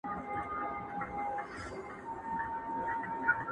په ښراوو، په بد نوم او په ښکنځلو؛